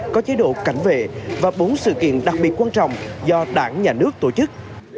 có chế độ cảnh vệ và bốn sự kiện đặc biệt quan trọng do đảng nhà nước tổ chức